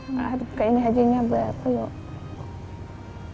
nah kayak ini aja nyabar apa yuk